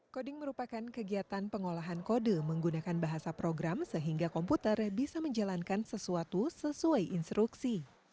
koding merupakan kegiatan pengolahan kode menggunakan bahasa program sehingga komputer bisa menjalankan sesuatu sesuai instruksi